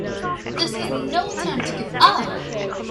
This is no time to give up!